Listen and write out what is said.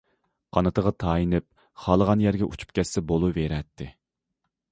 قانىتىغا تايىنىپ خالىغان يەرگە ئۇچۇپ كەتسە بولۇۋېرەتتى.